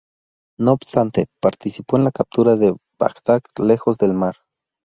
No obstante, participó en la Captura de Bagdad lejos del mar.